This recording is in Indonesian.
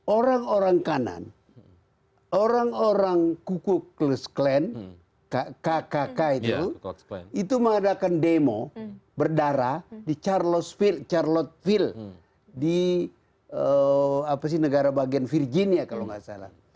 orang orang kanan orang orang kukuk klan itu mengadakan demo berdarah di charlottesville di negara bagian virginia kalau tidak salah